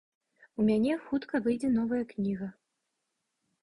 У мяне хутка выйдзе новая кніга.